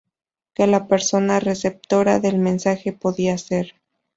que la persona receptora del mensaje podía ser